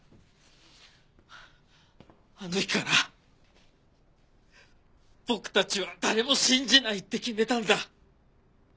あの日から僕たちは誰も信じないって決めたんだ。